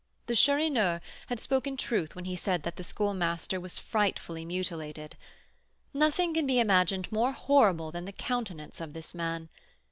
The Chourineur had spoken truth when he said that the Schoolmaster was frightfully mutilated. Nothing can be imagined more horrible than the countenance of this man.